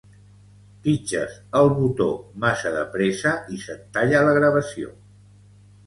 Pitges el botó massa de pressa i se't talla la gravació